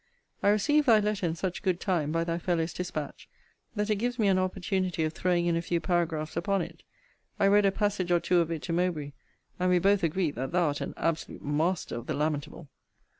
I received thy letter in such good time, by thy fellow's dispatch, that it gives me an opportunity of throwing in a few paragraphs upon it. I read a passage or two of it to Mowbray; and we both agree that thou art an absolute master of the lamentable.